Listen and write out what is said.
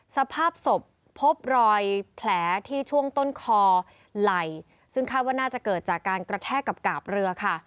สภาพศพพบรอยแผลที่ช่วงต้นคอไหล่ซึ่งคาดว่าน่าจะเกิดจากการกระแทกกับกาบเรือค่ะ